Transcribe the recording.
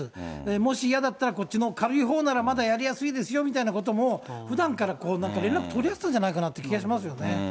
もし嫌だったら、こっちの軽いほうなら、まだやりやすいですよみたいなことも、ふだんから連絡取り合ってたんじゃないかなって気がしますよね。